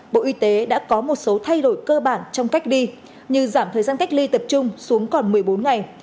bộ y tế đã có một số thay đổi cơ bản trong cách ly như giảm thời gian cách ly tập trung xuống còn một mươi bốn ngày